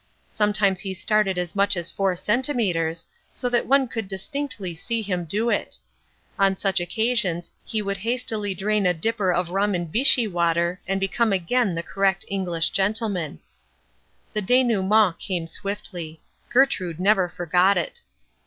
Sometimes he started as much as four centimetres, so that one could distinctly see him do it. On such occasions he would hastily drain a dipper of rum and vichy water and become again the correct English gentleman. The denouement came swiftly. Gertrude never forgot it.